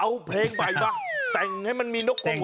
เอาเพลงใหม่มาแต่งให้มันมีนกหง